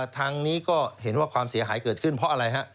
ทางนี้ก็เห็นว่าความเสียหายเกิดขึ้นเพราะอะไรฮะ